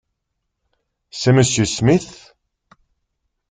C’est Monsieur Smith ?